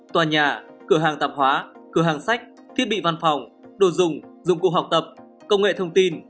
tòa nhà cửa hàng tạp hóa cửa hàng sách thiết bị văn phòng đồ dùng dụng cụ học tập công nghệ thông tin